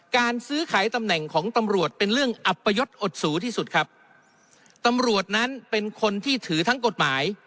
การซื้อขายตำแหน่งของตำรวจเป็นเรื่องอัปยศอดสูที่สุดครับตำรวจนั้นเป็นคนที่ถือทั้งกฎหมาย